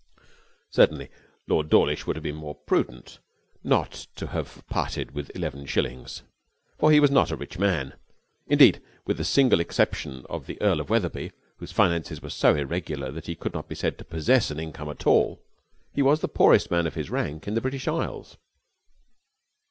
Certainly Lord Dawlish would have been more prudent not to have parted with even eleven shillings, for he was not a rich man. Indeed, with the single exception of the Earl of Wetherby, whose finances were so irregular that he could not be said to possess an income at all, he was the poorest man of his rank in the British Isles.